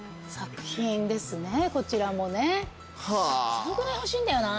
このぐらい欲しいんだよな。